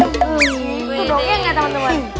itu dong ya nggak teman teman